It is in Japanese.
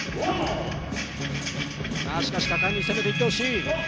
しかし果敢に攻めてきてほしい。